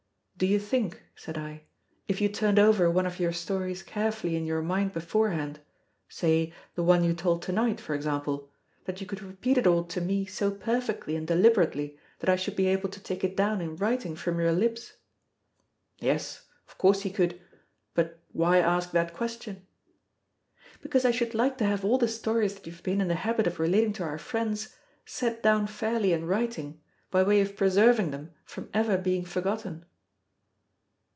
"Do you think," said I, "if you turned over one of your stories carefully in your mind beforehand say the one you told to night, for example that you could repeat it all to me so perfectly and deliberately that I should be able to take it down in writing from your lips?" Yes: of course he could. But why ask that question? "Because I should like to have all the stories that you have been in the habit of relating to our friends set down fairly in writing, by way of preserving them from ever being forgotten."